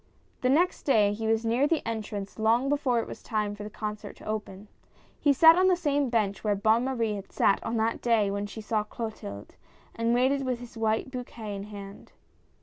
The next day he was near the entrance long before it was time for the concert to open. He sat on the same bench where Bonne Marie had sat on that day when she saw Clotilde, and waited with his white bouquet in his hand.